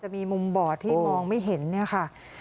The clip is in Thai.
มีมุมบอดที่มองไม่เห็นเนี่ยค่ะ